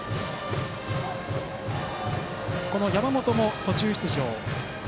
この山本も途中出場。